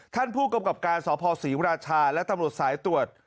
ท่านผู้กำกับการสภศรีราชาและตำรวจสายตรวจ